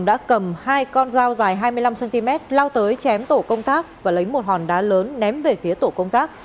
đã cầm hai con dao dài hai mươi năm cm lao tới chém tổ công tác và lấy một hòn đá lớn ném về phía tổ công tác